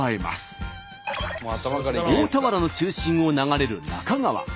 大田原の中心を流れる那珂川。